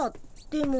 でも。